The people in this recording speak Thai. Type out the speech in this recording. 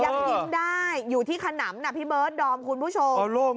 ยังยิ้มได้อยู่ที่ขนำนะพี่เบิร์ดดอมคุณผู้ชม